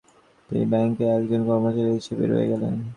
তিনি ব্যাংকের একজন কর্মচারী হিসাবে রয়ে গেলেন।